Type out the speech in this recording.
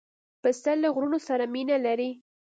پسه له غرونو سره مینه لري.